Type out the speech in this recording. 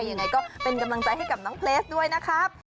ยังไงก็เป็นกำลังใจให้กับน้องเพลสด้วยนะครับ